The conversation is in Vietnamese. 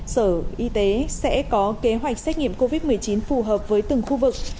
sở y tế sẽ có kế hoạch xét nghiệm covid một mươi chín phù hợp với từng khu vực